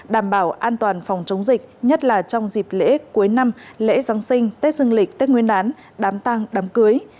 đảm bảo an toàn phòng chống dịch nhất là trong dịp lễ cuối năm lễ giáng sinh tết dương lịch tết nguyên đán đám tăng đám cưới